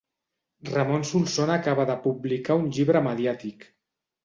Ramon Solsona acaba de publicar un llibre mediàtic.